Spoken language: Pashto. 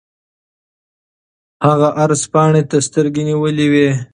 هغه عرض پاڼې ته سترګې نیولې وې.